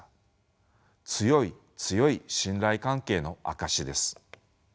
強い強い信頼関係の証しです。